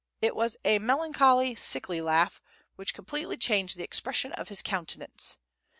It was a melancholy, sickly laugh, which completely changed the expression of his countenance.